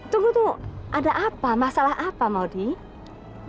tunggu tunggu ada apa masalah apa maudie